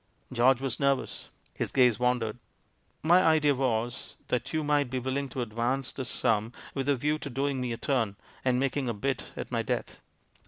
George was nervous. His gaze wandered. "My idea was, that you might be willing to advance the sum, with a view to doing me a turn, and making a bit at my death.